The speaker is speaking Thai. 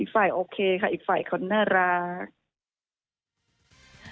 ฝ่ายโอเคค่ะอีกฝ่ายเขาน่ารัก